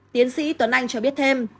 tiến sĩ tuấn anh cho biết thêm